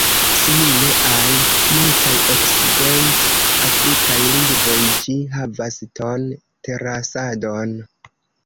Simile al multaj Okcident-Afrikaj lingvoj, ĝi havas ton-terasadon.